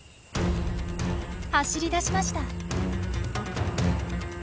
走りだしました。